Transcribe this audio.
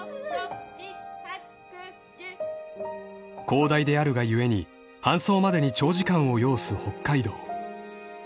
［広大であるが故に搬送までに長時間を要す北海道］